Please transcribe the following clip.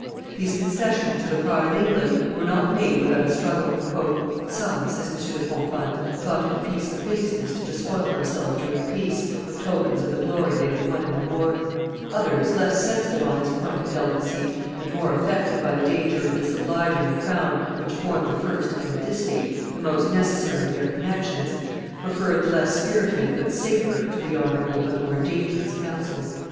These concessions to the pride of England were not made without a struggle. "Some," says M. de Pomponne, "thought it a piece of baseness to despoil themselves during peace, of tokens of the glory they had won in the war; others, less sensitive on this point of delicacy, and more affected by the danger of disobliging a crown which formed the first and at this date the most necessary of their connections, preferred the less spirited but safer to the honorable but more dangerous counsels."